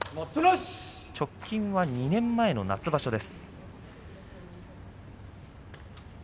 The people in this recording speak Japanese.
直近では去年の夏場所です。